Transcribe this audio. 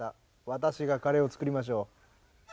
私がカレーを作りましょう。